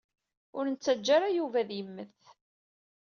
Ur nettaǧǧa ara Yuba ad yemmet.